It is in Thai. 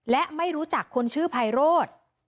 และไม่รู้จักคนชื่อไพโรธ